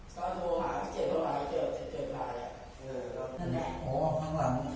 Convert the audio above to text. อ๋อข้างหลังข้อดิอืมโอ้ยไม่ได้ตรงนั้น